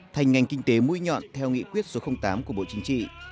thành ngành kinh tế mũi nhọn theo nghị quyết số tám của bộ chính trị